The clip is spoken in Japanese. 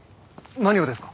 何がですか？